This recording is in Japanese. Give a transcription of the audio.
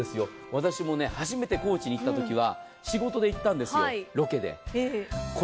私も初めて高知に行ったときは仕事で行ったんですよ、ロケで。